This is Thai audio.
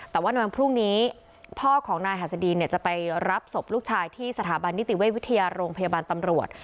แต่ว่าในวันพรุ่งนี้พ่อของนายหัสดีนจะไปรับศพลูกชายที่สถาบันนิติเวชวิทยาโรงพยาบาลตำรวจ